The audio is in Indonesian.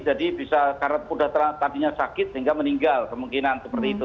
jadi bisa karena sudah tadinya sakit sehingga meninggal kemungkinan seperti itu